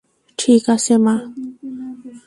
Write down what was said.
ঠিক আছে, মা!